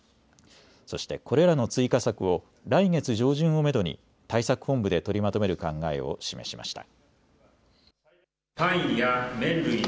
そして、これらの追加策を来月上旬をめどに対策本部で取りまとめる考えを示しました。